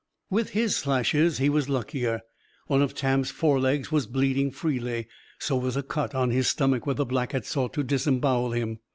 With his slashes he was luckier. One of Tam's forelegs was bleeding freely. So was a cut on his stomach, where the Black had sought to disembowel him.